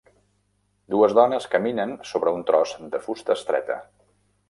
Dues dones caminen sobre un tros de fusta estreta.